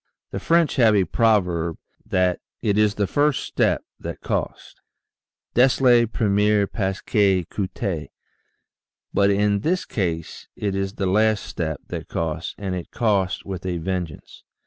The French have a proverb that " it is the first step that costs" (dest le premier pas qui coute] but in this case it is the last step that costs and it costs with a vengeance.